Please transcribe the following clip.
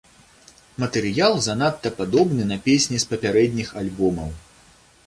Матэрыял занадта падобны на песні з папярэдніх альбомаў.